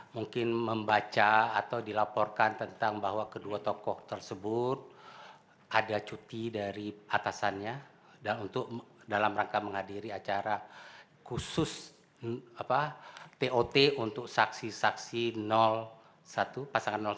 mungkin membaca atau dilaporkan tentang bahwa kedua tokoh tersebut ada cuti dari atasannya dan untuk dalam rangka menghadiri acara khusus tot untuk saksi saksi satu pasangan satu